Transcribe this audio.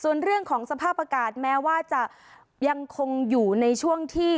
ส่วนเรื่องของสภาพอากาศแม้ว่าจะยังคงอยู่ในช่วงที่